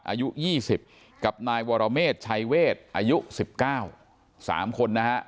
อายุยี่สิบกับนายวารเมสชายเวชอายุสิบเก้าสามคนนะฮะ